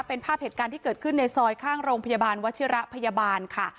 เป็นภาพเหตุการณ์ที่เกิดขึ้นในซอยข้างโรงพยาบาลวัชิระพยาบาลค่ะ